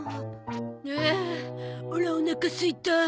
はあオラおなかすいた。